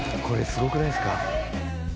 これすごくないですか？